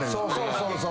そうそう。